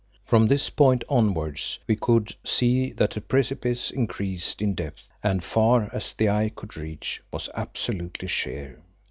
From this point onwards we could see that the precipice increased in depth and far as the eye could reach was absolutely sheer.